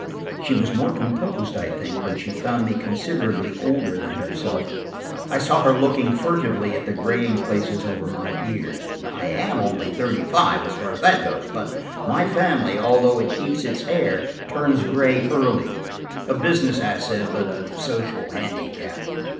She was more composed, I think, when she found me considerably older than herself. I saw her looking furtively at the graying places over my ears. I am only thirty five, as far as that goes, but my family, although it keeps its hair, turns gray early–a business asset but a social handicap.